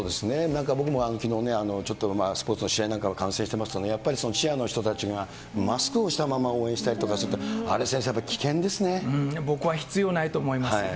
なんか僕も、きのうね、ちょっとスポーツの試合なんかの観戦してますとね、やっぱりの人たちがマスクをしたまま応援したりとかすると、僕は必要ないと思いますね。